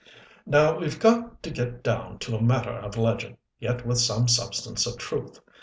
"Now we've got to get down to a matter of legend, yet with some substance of truth.